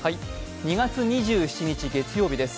２月２７日月曜日です。